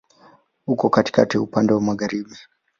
Uko katikati, upande wa magharibi.